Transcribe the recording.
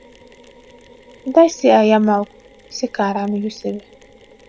Дај сеа ја малку, се караа меѓу себе.